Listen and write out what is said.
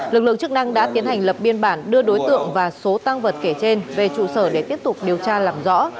lực lượng chức năng đã tiến hành lập biên bản đưa đối tượng và số tăng vật kể trên về trụ sở để tiếp tục điều tra làm rõ